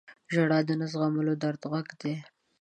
• ژړا د نه زغملو درد غږ دی.